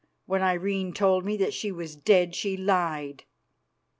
When Irene told me she was dead she lied."